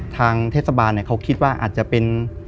ทางเทศบาลเขาคิดว่าอาจจะเป็น